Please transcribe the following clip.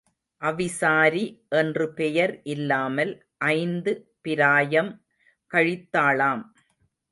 அவிசாரி என்று பெயர் இல்லாமல் ஐந்து பிராயம் கழித்தாளாம்.